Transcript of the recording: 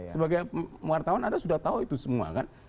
sebagai wartawan anda sudah tahu itu semua kan